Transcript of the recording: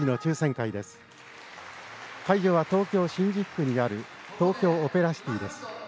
会場は東京新宿区にある東京オペラシティです。